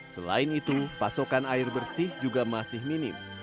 selain itu pasokan air bersih juga masih minim